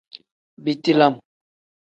Biti lam.